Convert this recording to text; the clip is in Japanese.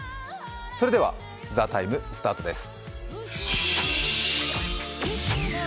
それでは「ＴＨＥＴＩＭＥ，」スタートです。